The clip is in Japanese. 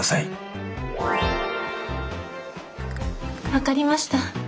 分かりました。